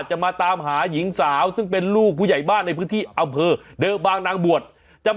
จะมาตามหาหญิงสาวซึ่งเป็นลูกผู้ใหญ่บ้านในพื้นที่อำเภอเดิมบางนางบวช